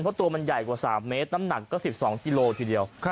เพราะตัวมันใหญ่กว่า๓เมตรน้ำหนักก็๑๒กิโลทีเดียว